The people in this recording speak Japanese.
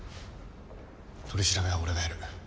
取り調べは俺がやる。